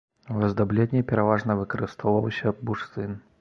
У аздабленні пераважна выкарыстоўваўся бурштын.